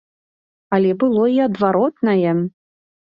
Але было і адваротнае.